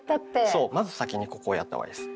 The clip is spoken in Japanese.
そうまず先にここをやった方がいいです。